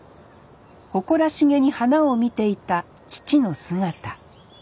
誇らしげに花を見ていた父の姿。